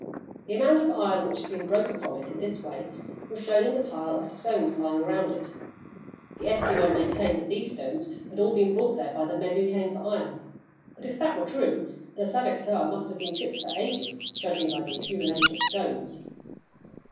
The amount of iron which had been broken from it in this way was shown by the pile of stones lying around it. The Eskimo maintained that these stones had all been brought there by the men who came for iron; but if that were true, the Saviksoah must have been chipped for ages, judging by the accumulation of stones.